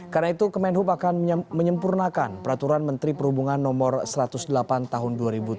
karena itu kemenhub akan menyempurnakan peraturan menteri perhubungan no satu ratus delapan tahun dua ribu tujuh belas